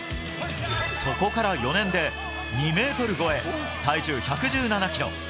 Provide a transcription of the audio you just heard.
そこから４年で２メートル超え、体重１１７キロ。